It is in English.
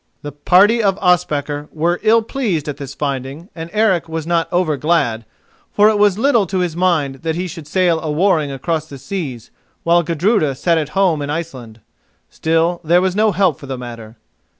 The party of Ospakar were ill pleased at this finding, and Eric was not over glad, for it was little to his mind that he should sail a warring across the seas, while Gudruda sat at home in Iceland. Still, there was no help for the matter.